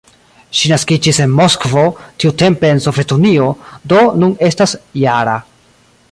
Ŝi naskiĝis en Moskvo, tiutempe en Sovetunio, do nun estas -jara.